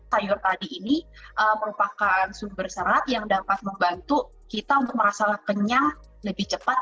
sayur tadi ini merupakan sumber serat yang dapat membantu kita untuk merasa kenyang lebih cepat